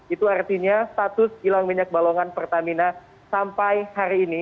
itu artinya status kilang minyak balongan pertamina sampai hari ini